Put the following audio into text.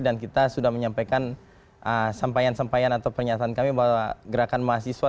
dan kita sudah menyampaikan sampaian sampaian atau pernyataan kami bahwa gerakan mahasiswa